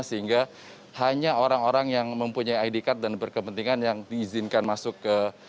sehingga hanya orang orang yang mempunyai id card dan berkepentingan yang diizinkan masuk ke